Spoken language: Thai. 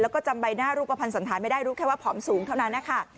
แล้วก็จำใบหน้ารูปภัณฑ์สันธารไม่ได้รู้แค่ว่าผอมสูงเท่านั้นนะคะ